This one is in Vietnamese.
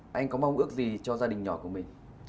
là cũng bước gì cho gia đình nhỏ của mình